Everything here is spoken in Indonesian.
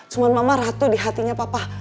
semua mama ratu di hatinya papa